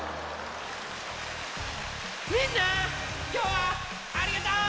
みんなきょうはありがとう！